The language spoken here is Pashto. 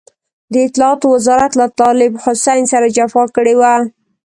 د اطلاعاتو وزارت له طالب حسين سره جفا کړې وه.